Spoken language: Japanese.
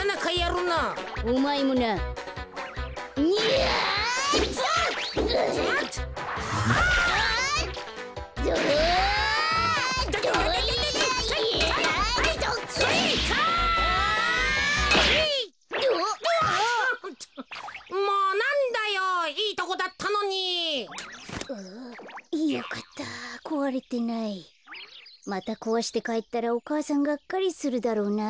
こころのこえまたこわしてかえったらお母さんがっかりするだろうな。